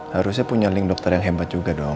harusnya punya link dokter yang hebat juga dong